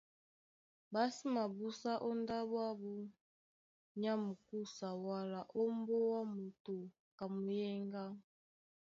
Ɓá sí mabúsá ó ndáɓo ábū nyá mukúsa wala ó mbóá moto ka muyéŋgá.